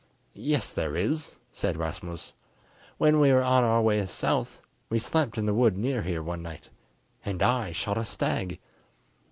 "Yes there is," said Rasmus; "when we were on our way south, we slept in the wood near here one night, and I shot a stag."